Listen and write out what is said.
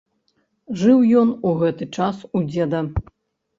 Жыў ён у гэты час у дзеда.